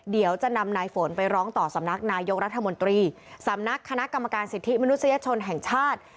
เดี๋ยวจะนำนายฝนไปร้องต่อสำนักนายกรัฐมนตรีสำนักคณะกรรมการสิทธิมนุษยชนแห่งชาติ